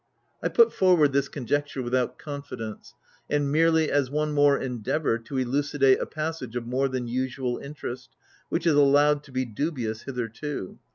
I put forward this conjecture without confidence, and merely as one more endeavour to elucidate a passage of more than usual interest, which is allowed to be dubious hitherto.